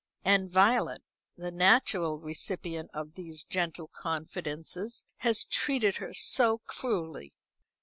And Violet, the natural recipient of these gentle confidences, had treated her so cruelly.